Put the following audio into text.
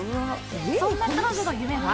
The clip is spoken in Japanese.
そんな彼女の夢は？